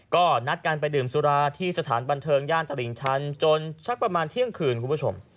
ก็นัดกันไปดื่มสุราที่สถานบันเทิงย่านตลิ่งชันจนสักประมาณเที่ยงคืนคุณผู้ชม